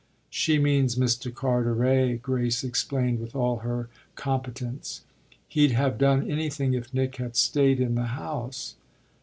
"She means Mr. Carteret," Grace explained with all her competence. "He'd have done anything if Nick had stayed in the House."